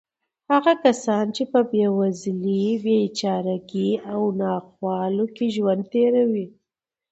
هغه کسان چې په بېوزلۍ، بېچارهګۍ او ناخوالو کې ژوند تېروي.